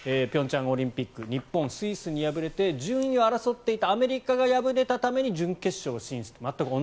平昌オリンピック日本はスイスに敗れて順位を争っていたアメリカが敗れたために準決勝進出と。